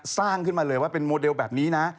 สร้างขึ้นมาเลยว่าเป็นโมเดลแบบนี้นะ